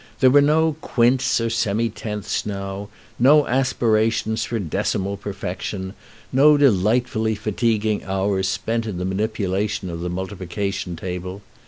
There were no quints or semi tenths now, no aspirations for decimal perfection, no delightfully fatiguing hours spent in the manipulation of the multiplication table.